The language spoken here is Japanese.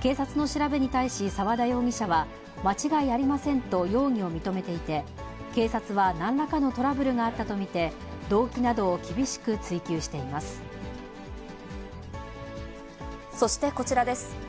警察の調べに対し澤田容疑者は、間違いありませんと容疑を認めていて、警察はなんらかのトラブルがあったと見て、動機などを厳しく追及そしてこちらです。